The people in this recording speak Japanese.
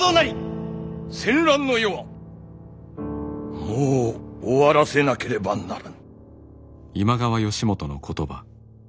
戦乱の世はもう終わらせなければならぬ。